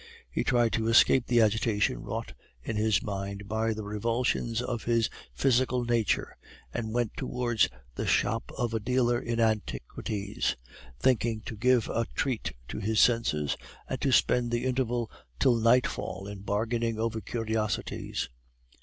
He tried to escape the agitation wrought in his mind by the revulsions of his physical nature, and went toward the shop of a dealer in antiquities, thinking to give a treat to his senses, and to spend the interval till nightfall in bargaining over curiosities.